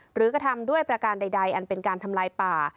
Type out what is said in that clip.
กระทำด้วยประการใดอันเป็นการทำลายป่า